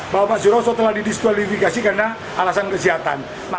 bahwa pak suroso telah didiskualifikasi karena alasan kesehatan